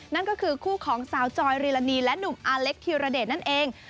นั่นก็คือคู่ของสาวจอยรีลานีและหนุ่มอาเล็กธิรเดชนั่นเอง